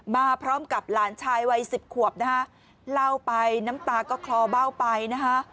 มาพร้อมกับหลานชายวัยสิบขวบนะฮะเล่าไปน้ำตาก็คลอเบ้าไปนะคะ